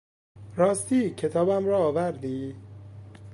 راستی، کتابم را آوردی؟